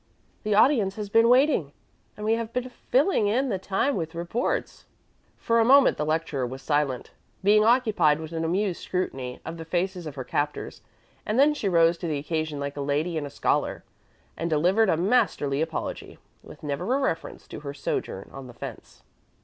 The audience has been waiting, and we have been filling in the time with reports." For a moment the lecturer was silent, being occupied with an amused scrutiny of the faces of her captors; and then she rose to the occasion like a lady and a scholar, and delivered a masterly apology, with never a reference to her sojourn on the fence.